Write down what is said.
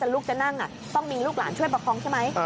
ลูกจะนั่งต้องมีลูกหลานช่วยประคองใช่ไหม